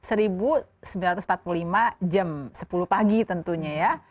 delapan belas agustus seribu sembilan ratus empat puluh lima jam sepuluh pagi tentunya ya